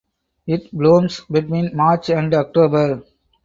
It blooms between March and October.